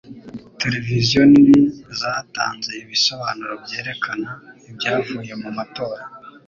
Televiziyo nini zatanze ibisobanuro byerekana ibyavuye mu matora